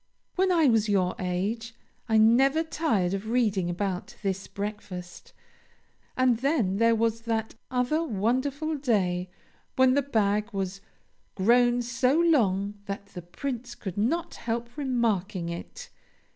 When I was your age, I never tired of reading about this breakfast; and then there was that other wonderful day when the bag was "grown so long that the Prince could not help remarking it.